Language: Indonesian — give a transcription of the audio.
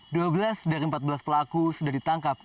dua belas dari empat belas pelaku sudah ditangkap